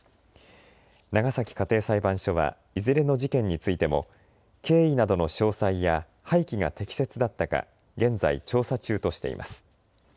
長崎家庭裁判所はいずれの事件についても経緯などの詳細や廃棄が適切だったか現在、調査中としています。